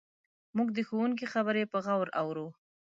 موږ د ښوونکي خبرې په غور اورو.